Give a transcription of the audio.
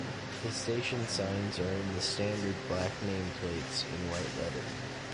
The station signs are in the standard black name plates in white lettering.